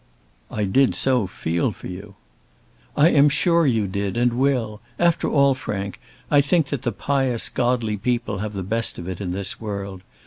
"I did so feel for you." "I am sure you did, and will. After all, Frank, I think that the pious godly people have the best of it in this world.